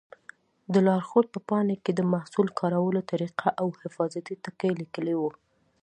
د لارښود په پاڼو کې د محصول کارولو طریقه او حفاظتي ټکي لیکلي وي.